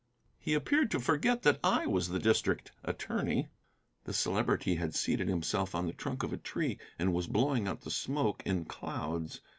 He appeared to forget that I was the district attorney. The Celebrity had seated himself on the trunk of a tree, and was blowing out the smoke in clouds.